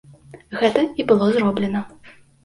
Гэта і было зроблена.